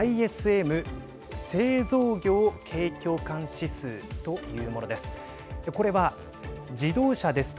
ＩＳＭ製造業景況感指数というものです。